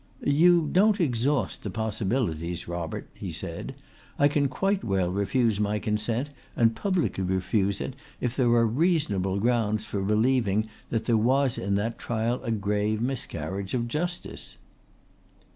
"You don't exhaust the possibilities, Robert," he said. "I can quite well refuse my consent and publicly refuse it if there are reasonable grounds for believing that there was in that trial a grave miscarriage of justice."